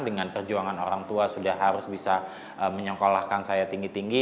dengan perjuangan orang tua sudah harus bisa menyekolahkan saya tinggi tinggi